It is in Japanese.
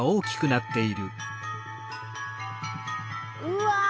うわ！